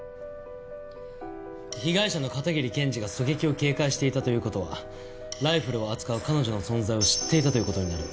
被害者の片桐検事が狙撃を警戒していたという事はライフルを扱う彼女の存在を知っていたという事になる。